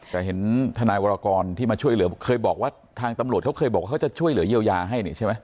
แต่เห็นทนายวรกรที่มาช่วยเหลือเคยบอกว่าทางตำรวจเขาเคยบอกว่าเขาจะช่วยเหลือเยียวยาให้นี่ใช่ไหม